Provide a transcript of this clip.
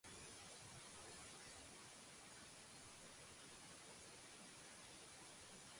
რამდენიმე ჰიპოთეზა არსებობს, თუ როგორ მოხვდნენ აფრიკელები აფხაზეთში.